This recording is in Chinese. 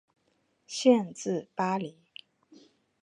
县治巴黎。